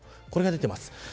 これが出ています。